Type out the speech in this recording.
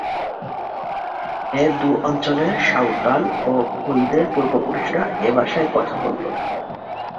এ দু অঞ্চলের সাঁওতাল ও কোলদের পূর্বপুরুষরা এ ভাষায় কথা বলত।